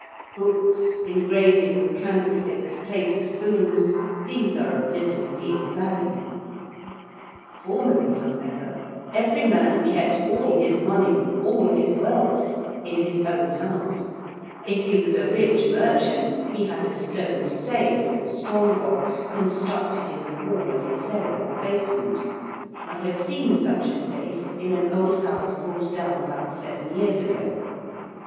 Books, engravings, candlesticks, plated spoons these are of little real value. Formerly, however, every man kept all his money all his wealth in his own house; if he was a rich merchant he had a stone safe or strong box constructed in the wall of his cellar or basement I have seen such a safe in an old house pulled down about seven years ago.